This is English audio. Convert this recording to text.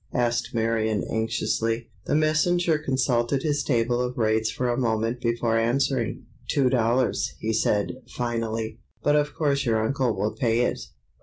asked Marion, anxiously. The messenger consulted his table of rates for a moment before answering. "Two dollars," he said, finally; "but of course your uncle will pay it.